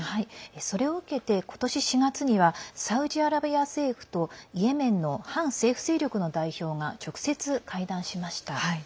それを受けて今年４月にはサウジアラビア政府とイエメンの反政府勢力の代表が直接、会談しました。